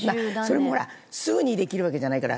それもほらすぐにできるわけじゃないから。